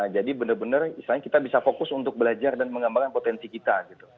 jadi benar benar kita bisa fokus untuk belajar dan mengembangkan potensi kita